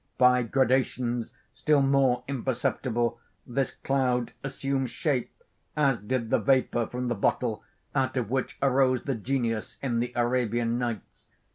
By gradations, still more imperceptible, this cloud assumes shape, as did the vapor from the bottle out of which arose the genius in the Arabian Nights.